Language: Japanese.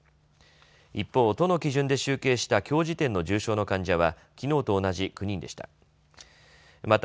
一方、都の基準で集計したきょう時点の重症の患者はきのうと同じ９人でした。